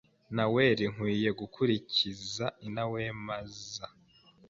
Naweri nkwiye gukurikiza inawema za .